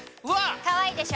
かわいいでしょ？